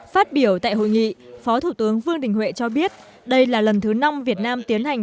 phát biểu tại hội nghị phó thủ tướng vương đình huệ cho biết đây là lần thứ năm việt nam tiến hành